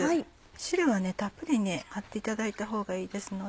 汁はたっぷり張っていただいたほうがいいですので。